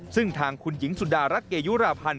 ซึ่งทางคุณหญิงสุดารัฐเกยุราพันธ์